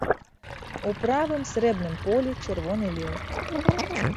У правым, срэбным полі чырвоны леў.